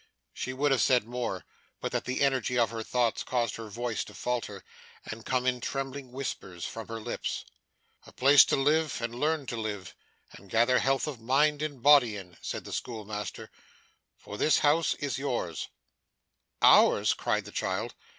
She would have said more, but that the energy of her thoughts caused her voice to falter, and come in trembling whispers from her lips. 'A place to live, and learn to live, and gather health of mind and body in,' said the schoolmaster; 'for this old house is yours.' 'Ours!' cried the child.